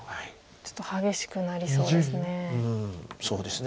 ちょっと激しくなりそうですね。